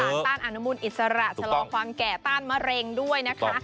ต้านอนุมูลอิสระชะลอความแก่ต้านมะเร็งด้วยนะคะ